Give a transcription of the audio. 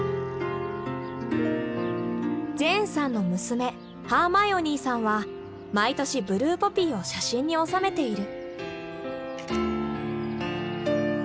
ジェーンさんの娘ハーマイオニーさんは毎年ブルーポピーを写真に収めている。